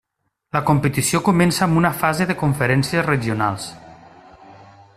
La competició comença amb una fase de conferències regionals.